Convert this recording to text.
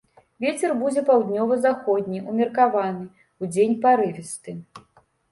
Вецер будзе паўднёва-заходні ўмеркаваны, удзень парывісты.